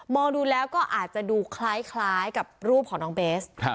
ดูแล้วก็อาจจะดูคล้ายกับรูปของน้องเบส